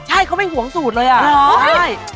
ใช่เค้าไม่หวงสูตรเลย